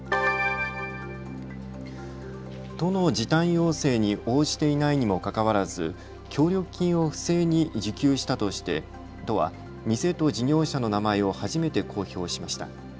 都の時短要請に応じていないにもかかわらず協力金を不正に受給したとして都は店と事業者の名前を初めて公表しました。